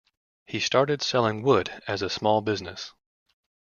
He started selling wood as a small business.